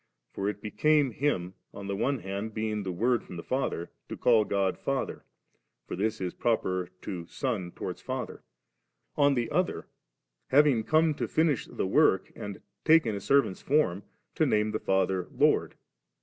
For it became Him, on the one hand being the Word from the Father, to call God Father: for this is proper to son towards father; on the other, having come to finish the work, and taken a servants form, to name the Father Lord.